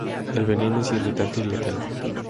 El veneno es irritante y letal.